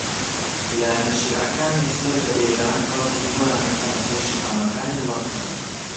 لایەنە شیعەکانی سەر بە ئێران خەڵکی خۆیان دەخەنە سەر شەقامەکانی وڵاتەکە